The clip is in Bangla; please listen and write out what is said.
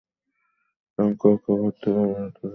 এবং কাউকে ঘর থেকে বেরুতে দেন না।